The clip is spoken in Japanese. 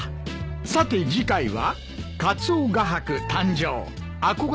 さて次回は。